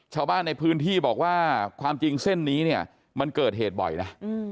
ชาวบ้านในพื้นที่บอกว่าความจริงเส้นนี้เนี่ยมันเกิดเหตุบ่อยนะ